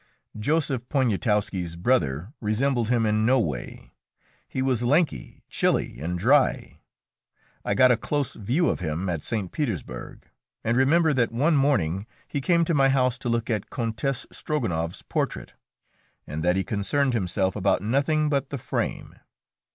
Joseph Poniatowski's brother resembled him in no way; he was lanky, chilly, and dry. I got a close view of him at St. Petersburg, and remember that one morning he came to my house to look at Countess Strogonoff's portrait, and that he concerned himself about nothing but the frame.